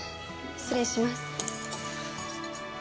失礼します。